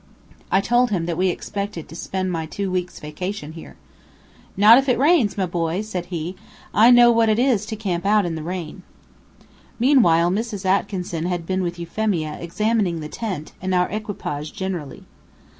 I told him that we expected to spend my two weeks' vacation here. "Not if it rains, my boy," said he. "I know what it is to camp out in the rain." Meanwhile, Mrs. Atkinson had been with Euphemia examining the tent, and our equipage generally.